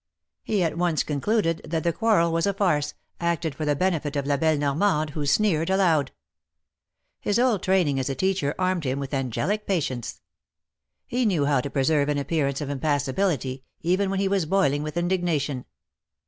He at once concluded that the quarrel was a farce, acted for the benefit of La belle Normande, who sneered aloud. His old training as a teacher armed him with angelic patience. He knew how to preserve an appearance of impassibility, even when he was boiling with indignation.